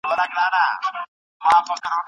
مار له ونې تاوېده